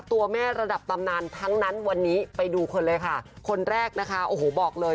ตัวแม่ระดับตำนานทั้งนั้นวันนี้ไปดูคนเลยค่ะคนแรกนะคะโอ้โหบอกเลย